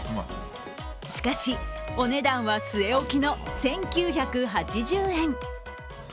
しかし、お値段は据え置きの１９８０円。